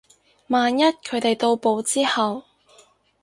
萬一佢哋到埗之後